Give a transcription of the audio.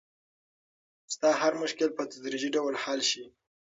ستا هر مشکل به په تدریجي ډول حل شي.